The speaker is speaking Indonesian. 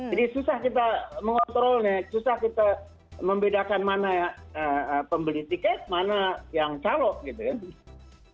jadi susah kita mengontrolnya susah kita membedakan mana pembeli tiket mana yang calo gitu ya